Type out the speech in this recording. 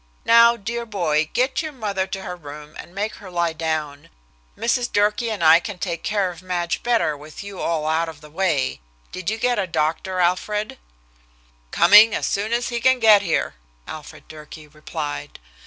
Now, dear boy, get your mother to her room and make her lie down. Mrs. Durkee and I can take care of Madge better with you all out of the way. Did you get a doctor, Alfred?" "Coming as soon as he can get here," Alfred Durkee replied.